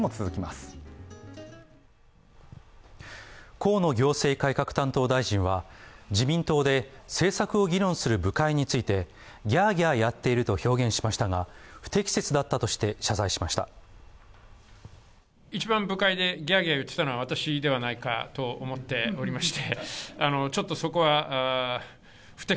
河野行政改革担当大臣は自民党で政策を議論する部会について、ギャーギャーやっていると表現しましたが不適切だったとして謝罪しました。